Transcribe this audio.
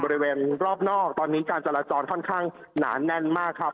บริเวณรอบนอกตอนนี้การจราจรค่อนข้างหนาแน่นมากครับ